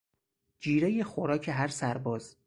جیرهی خوراک هرسرباز